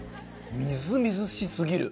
みずみずし過ぎる